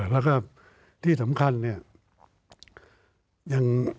แล้วก็ที่สำคัญเนี่ย